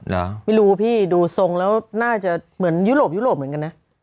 เหรอไม่รู้พี่ดูทรงแล้วน่าจะเหมือนยุโรปยุโรปเหมือนกันนะ